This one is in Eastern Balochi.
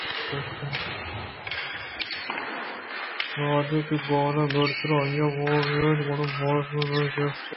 وھدے کہ گال ءِ گُڈسر ءَ "ا، و، ی ءُ ے" بئیت گُڑا "ئیں" کارمرز بیت انچوشکہ :-